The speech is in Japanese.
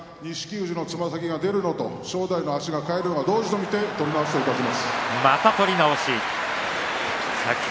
富士をつま先が出るのと正代の体が返るのが同時と見て取り直しとします。